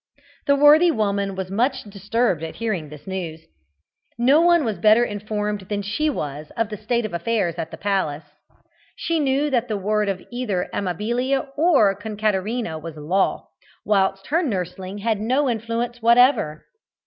The worthy woman was much disturbed at hearing this news. No one was better informed than she was of the state of affairs at the palace. She knew that the word of either Amabilia or Concaterina was law, whilst her nursling had no influence whatever.